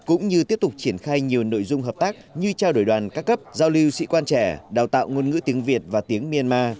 cũng như tiếp tục triển khai nhiều nội dung hợp tác như trao đổi đoàn các cấp giao lưu sĩ quan trẻ đào tạo ngôn ngữ tiếng việt và tiếng myanmar